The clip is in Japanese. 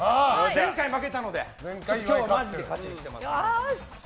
前回負けたので今日はマジで勝ちに来てます。